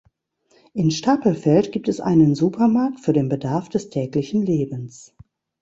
In Stapelfeld gibt es einen Supermarkt für den Bedarf des täglichen Lebens.